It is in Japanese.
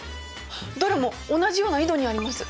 どれも同じような緯度にあります。